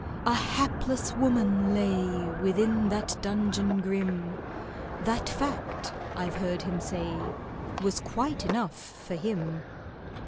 A hapless woman lay Within that dungeon grim— That fact, I've heard him say, Was quite enough for him.